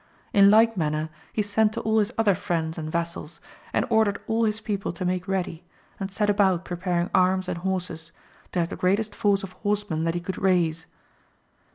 In like manner he sent to all his other friends and vassals, and ordered all his people to make ready, and set about preparing arms and horses, to have the greatest force of horsemen that he could raise.